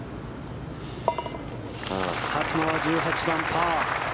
佐久間は１８番、パー。